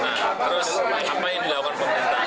nah terus apa yang dilakukan pemerintah